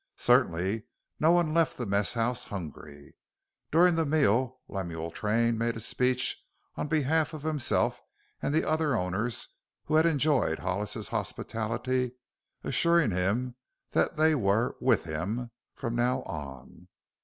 Certainly no one left the mess house hungry. During the meal Lemuel Train made a speech on behalf of himself and the other owners who had enjoyed Hollis's hospitality, assuring him that they were "with him" from now on.